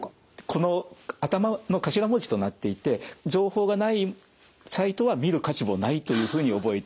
この頭の頭文字となっていて情報がないサイトは見る価値もないというふうに覚えていただければと思います。